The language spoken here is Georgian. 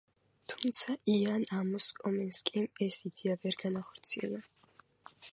თუმცა იან ამოს კომენსკიმ ეს იდეა ვერ განახორციელა.